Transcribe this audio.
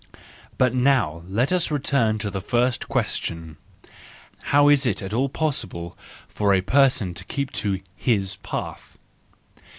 But now let us return to the first question.—How is it at all possible for a person to keep to his path!